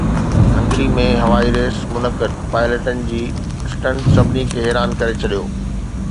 Hungary ۾ هوائي race منعقد، پائليٽن جي اسٽنٽ سڀني کي حيران ڪري ڇڏيو